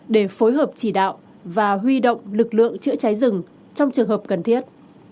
để phối hợp chỉ đạo và huy động lực lượng chữa cháy rừng trong trường hợp cần thiết